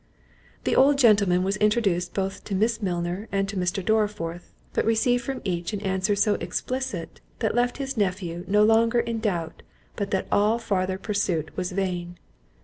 The old gentleman was introduced both to Miss Milner and to Mr. Dorriforth, but received from each an answer so explicit, that left his nephew no longer in doubt but that all farther pursuit was vain.